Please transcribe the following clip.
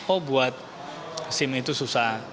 oh buat sim itu susah